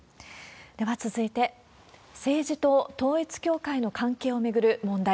では続いて、政治と統一教会の関係を巡る問題。